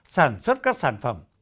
sản xuất các sản phẩm